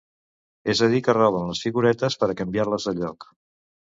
És a dir que roben les figuretes per a canviar-les de lloc.